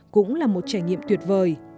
cũng là một trải nghiệm tuyệt vời